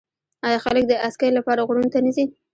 آیا خلک د اسکی لپاره غرونو ته نه ځي؟